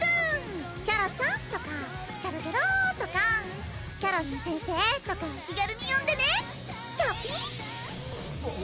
キャロちゃんとかキャロキャロとかキャロリン先生とか気軽に呼んでねきゃぴ！